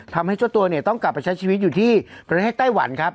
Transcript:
ทำให้เจ้าตัวเนี่ยต้องกลับไปใช้ชีวิตอยู่ที่ประเทศไต้หวันครับ